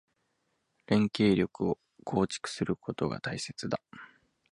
連携力を構築することが大切だ。